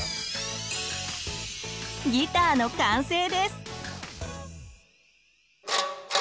ギターの完成です。